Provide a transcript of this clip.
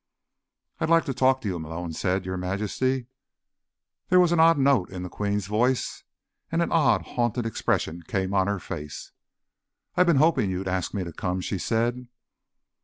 "I'd like to talk to you," Malone said, "Your Majesty." There was an odd note in the Queen's voice, and an odd, haunted expression on her face. "I've been hoping you'd ask me to come," she said.